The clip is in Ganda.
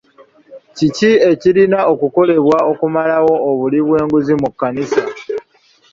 Kiki ekirina okukolebwa okumalawo obuli bw'enguzi mu kkanisa?